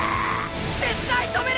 絶対止める！